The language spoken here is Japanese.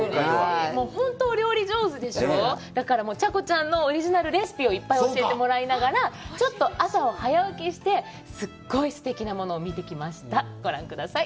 ほんとお料理上手でしょだからチャコちゃんのオリジナルレシピをいっぱい教えてもらいながらちょっと朝を早起きしてすっごいすてきなものを見てきましたご覧ください